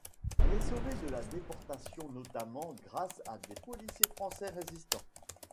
Elle est sauvée de la déportation, notamment grâce à des policiers français résistants.